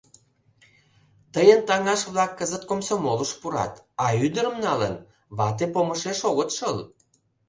Тыйын таҥаш-влак кызыт комсомолыш пурат, а ӱдырым налын, вате помышеш огыт шыл.